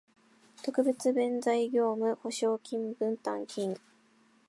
特別弁済業務保証金分担金